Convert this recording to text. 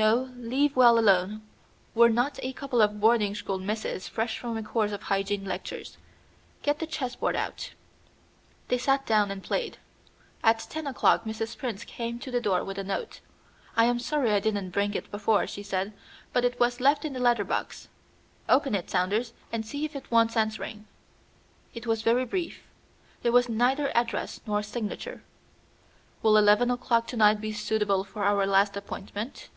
"No, leave well alone. We're not a couple of boarding school misses fresh from a course of hygiene lectures. Get the chessboard out." They sat down and played. At ten o'clock Mrs. Prince came to the door with a note. "I am sorry I didn't bring it before," she said, "but it was left in the letter box." "Open it, Saunders, and see if it wants answering." It was very brief. There was neither address nor signature. "Will eleven o'clock to night be suitable for our last appointment?"